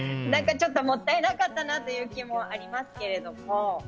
ちょっともったいなかったなという気もありますけども。